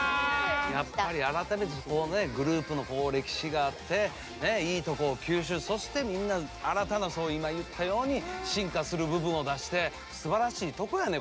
やっぱり改めてこうねグループの歴史があっていいとこを吸収そしてみんな新たなそう今言ったように進化する部分を出してすばらしいとこやね